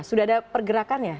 sudah ada pergerakannya